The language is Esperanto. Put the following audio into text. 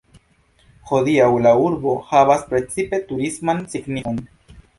Hodiaŭ la urbo havas precipe turisman signifon.